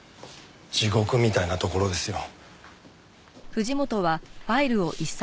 地獄みたいなところですよ。